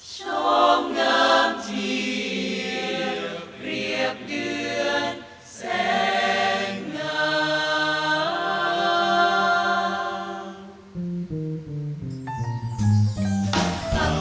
ชอบงามเทียบเรียกเดือนแสงงาม